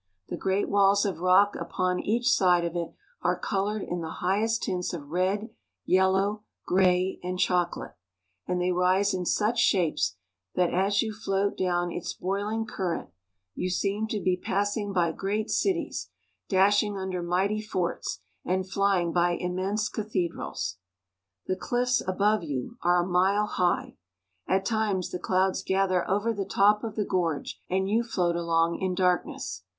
The great walls of rock upon each side of it are colored in the highesttintsof red, yellow, gray, and chocolate ; and they rise in such shapes that as you float down its boiling current you seem to be passing by great cities, dashing under mighty forts, and flying by immense cathedrals. The cliffs above you are a mile high. At times the clouds gather over the top of the gorge, and you float along in darkness.